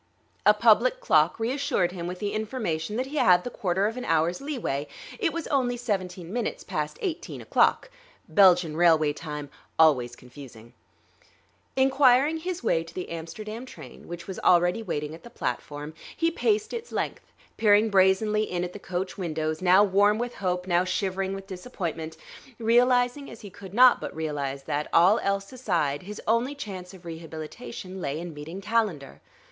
A public clock reassured him with the information that he had the quarter of an hour's leeway; it was only seventeen minutes past eighteen o'clock (Belgian railway time, always confusing). Inquiring his way to the Amsterdam train, which was already waiting at the platform, he paced its length, peering brazenly in at the coach windows, now warm with hope, now shivering with disappointment, realizing as he could not but realize that, all else aside, his only chance of rehabilitation lay in meeting Calendar.